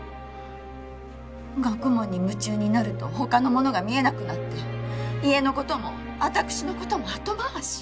学問に夢中になるとほかのものが見えなくなって家のことも私のことも後回し。